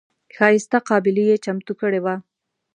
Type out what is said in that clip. ښایسته قابلي یې چمتو کړې وه.